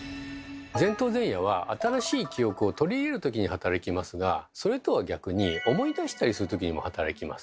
前頭前野は新しい記憶を取り入れるときに働きますがそれとは逆に思い出したりするときにも働きます。